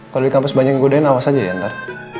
kalo di kampus banyak yang godain awas aja ya ntar